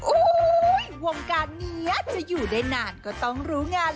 โอ้โหวงการนี้จะอยู่ได้นานก็ต้องรู้งาน